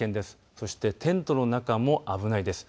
そしてテントの中も危ないです。